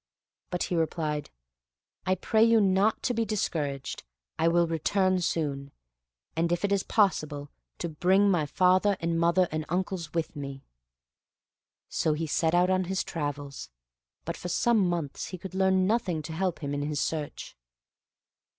But he replied, "I pray you not to be discouraged; I will return soon, and if it is possible bring my father and mother and uncles with me." So he set out on his travels; but for some months he could learn nothing to help him in his search.